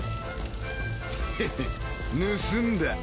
ヘヘ盗んだ。